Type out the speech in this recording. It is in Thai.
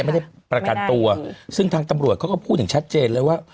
ไม่ได้ประกันตัวซึ่งทางตำรวจเขาก็พูดอย่างชัดเจนเลยว่า